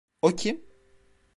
O kim?